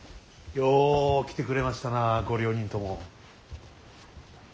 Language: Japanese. よう来てくれましたなご両人とも。